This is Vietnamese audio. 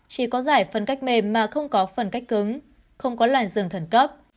chỉ có dải phân cách mềm mà không có phân cách cứng không có làn dừng thần cấp